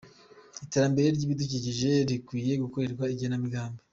Iterambere ry’ibidukikije rikwiye gukorerwa igenamigambi